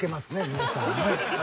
皆さんね。